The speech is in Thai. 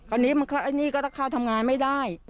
อันนี้มักเข้าทำงานไม่ได้